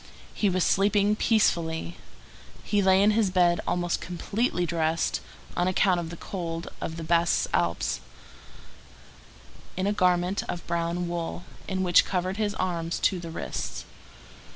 He was sleeping peacefully. He lay in his bed almost completely dressed, on account of the cold of the Basses Alps, in a garment of brown wool, which covered his arms to the wrists.